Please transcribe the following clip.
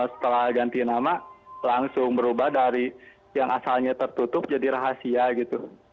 setelah ganti nama langsung berubah dari yang asalnya tertutup jadi rahasia gitu